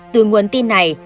từ nguồn tin này